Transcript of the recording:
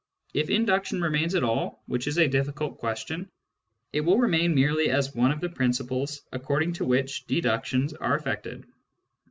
If induction remains at all, which is a difficult question, it will remain merely as one of the principles according to which deductions are effected.